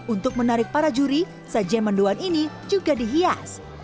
untuk menarik para juri sajian menduan ini juga dihias